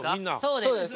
そうです。